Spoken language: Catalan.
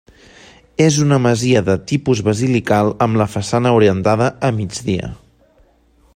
És una masia de tipus basilical amb la façana orientada a migdia.